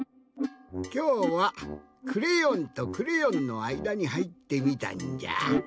きょうはクレヨンとクレヨンのあいだにはいってみたんじゃ。